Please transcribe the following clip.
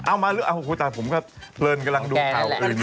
เอามาผมก็เผลินกำลังดูข่าวอื่น